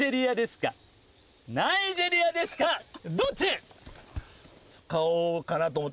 どっち？